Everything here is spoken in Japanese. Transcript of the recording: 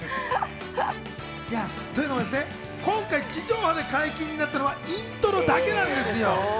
今回、地上波で解禁になったのはイントロだけなんですよ。